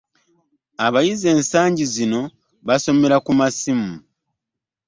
Abayizi ensangi zino basomesebwa ku massimu.